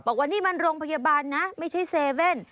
บอกว่าวันนี้มันโรงพยาบาลนะไม่ใช่เซเว่น